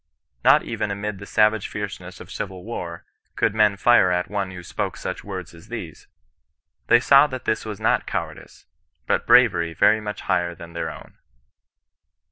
Not even amid the savage fierceness of civil war, covJd men fire at one who spoke sndi words as these. ^Tfaey saw that iMa was not cowardice, but bravery very nrach bi^er than their own.